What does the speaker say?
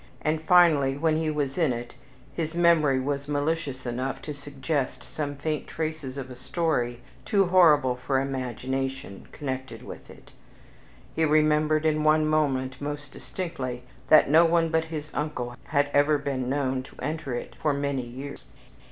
And, finally, when he was in it, his memory was malicious enough to suggest some faint traces of a story, too horrible for imagination, connected with it. He remembered in one moment most distinctly, that no one but his uncle had ever been known to enter it for many years.